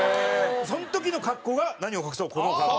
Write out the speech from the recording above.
その時の格好が何を隠そうこの格好。